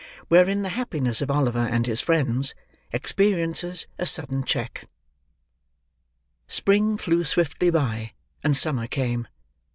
WHEREIN THE HAPPINESS OF OLIVER AND HIS FRIENDS, EXPERIENCES A SUDDEN CHECK Spring flew swiftly by, and summer came.